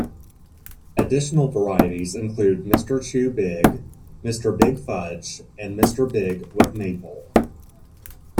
Additional varieties include Mr. Chew Big, Mr. Big Fudge, and Mr. Big with Maple.